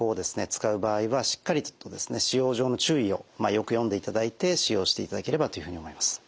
使う場合はしっかりと使用上の注意をよく読んでいただいて使用していただければというふうに思います。